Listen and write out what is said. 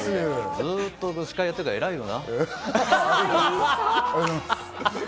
ずっと司会やってるから偉いよな。